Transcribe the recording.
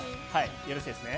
よろしいですね。